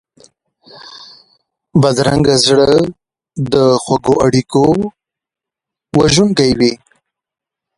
بدرنګه زړه د خوږو اړیکو قاتل وي